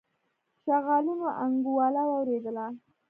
شغالانو انګولا واورېدله.